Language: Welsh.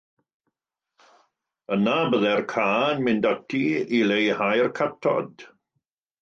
Yna byddai'r Ca yn mynd ati i leihau'r catod.